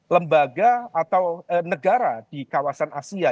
lembaga atau negara di kawasan asia